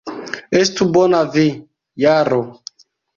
Estu bona vi, Jaro!